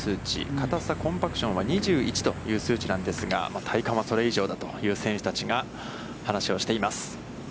硬さ、コンパクションは、２１という数値なんですが、体幹はそれ以上だという選手たちが、話をしています。